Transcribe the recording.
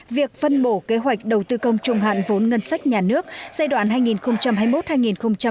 việc phân bổ kế hoạch đầu tư công trùng hạn vốn ngân sách nhà nước giai đoạn hai nghìn hai mươi một hai nghìn hai mươi năm